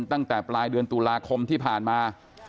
ตั้งแต่ปลายเดือนตุลาคมที่ผ่านมา